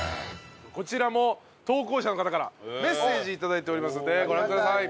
こちらも投稿者の方からメッセージ頂いておりますんでご覧ください。